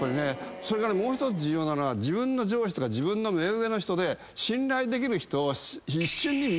それからもう１つ重要なのは自分の上司とか自分の目上の人で。